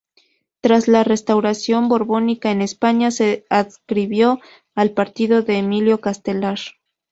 Tras la restauración borbónica en España se adscribió al partido de Emilio Castelar.